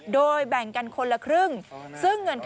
โดยแบ่งกันคนละครึ่ง